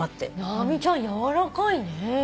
直美ちゃんやわらかいね。